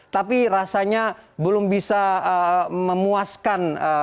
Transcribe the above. tapi rasanya belum bisa memuaskan